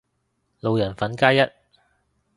路人粉加一